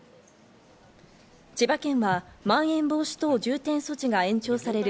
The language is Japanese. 千葉県は、まん延防止等重点措置が延長される